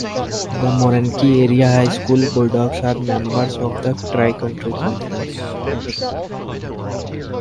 The Morenci Area High School Bulldogs are members of the Tri-County Conference.